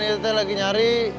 itu teh lagi nyari